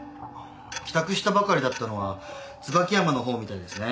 帰宅したばかりだったのは椿山のほうみたいですね。